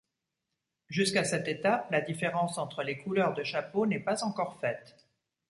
Jusqu'à cette étape la différence entre les couleurs de chapeau n'est pas encore faite.